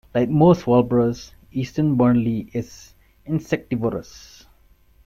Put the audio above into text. Like most warblers, eastern Bonelli's is insectivorous.